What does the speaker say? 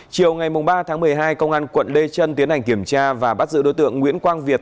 chiều ba một mươi hai công an quận lê chân tiến hành kiểm tra và bắt giữ đối tượng nguyễn quang việt